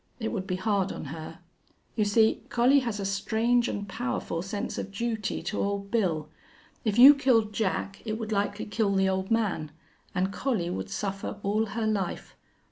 It would be hard on her. You see, Collie has a strange an' powerful sense of duty to Old Bill. If you killed Jack it would likely kill the old man, an' Collie would suffer all her life.